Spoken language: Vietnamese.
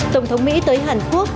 tổng thống mỹ tới hàn quốc